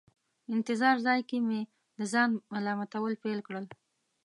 انتظار ځای کې مې د ځان ملامتول پیل کړل.